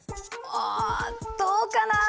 あどうかな？